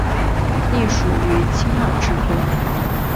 隶属于青二制作。